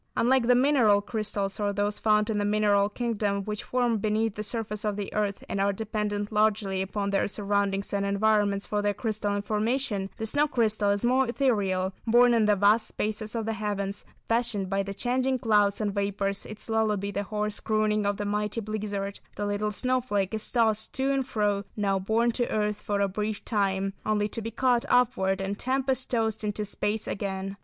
Unlike the mineral crystals, or those found in the mineral kingdom, which form beneath the surface of the earth, and are dependent largely upon their surroundings and environments for their crystalline formation, the snow crystal is most ethereal; born in the vast spaces of the heavens, fashioned by the changing clouds and vapours, its lullaby the hoarse crooning of the mighty blizzard, the little snowflake is tossed to and fro, now borne to earth for a brief time, only to be caught upward and tempest tossed into space again.